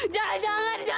jangan jangan jangan